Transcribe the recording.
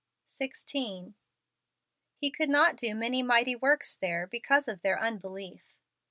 16. " He could not do many mighty works there because of their unbelief."